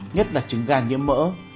nhất là chứng gan nhiễm mỡ